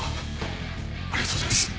ありがとうございます。